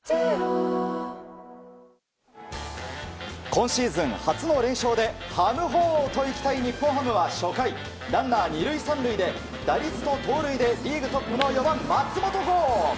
今シーズン初の連勝ではむほーといきたい日本ハムは初回、ランナー２塁３塁で打率と盗塁でリーグトップの４番、松本剛。